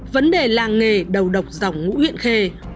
vấn đề làng nghề đầu độc dòng ngũ huyện khê